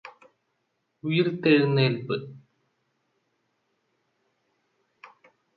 ഉയിര്ത്തെഴുന്നേല്പ്പ്